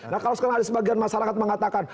nah kalau sekarang ada sebagian masyarakat mengatakan